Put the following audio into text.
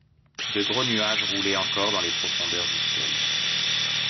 De gros nuages roulaient encore dans les profondeurs du ciel.